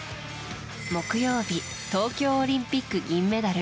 木曜日東京オリンピック銀メダル